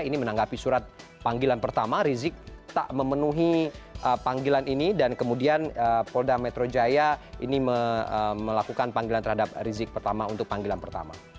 ini menanggapi surat panggilan pertama rizik tak memenuhi panggilan ini dan kemudian polda metro jaya ini melakukan panggilan terhadap rizik pertama untuk panggilan pertama